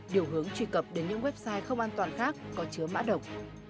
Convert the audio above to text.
điều hướng truy cập đến những website không an toàn khác có chứa mã độc